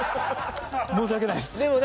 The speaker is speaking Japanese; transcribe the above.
申し訳ないです。